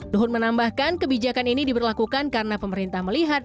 luhut menambahkan kebijakan ini diberlakukan karena pemerintah melihat